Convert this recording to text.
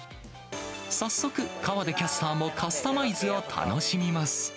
早速、河出キャスターもカスタマイズを楽しみます。